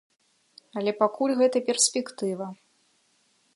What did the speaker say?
Але пакуль гэта перспектыва.